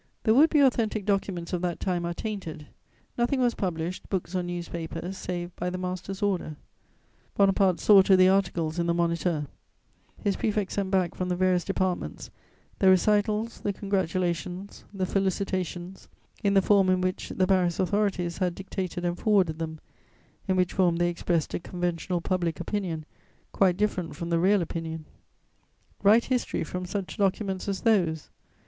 The would be authentic documents of that time are tainted; nothing was published, books or newspapers, save by the master's order: Bonaparte saw to the articles in the Moniteur; his prefects sent back from the various departments the recitals, the congratulations, the felicitations, in the form in which the Paris authorities had dictated and forwarded them, in which form they expressed a conventional public opinion, quite different from the real opinion. Write history from such documents as those!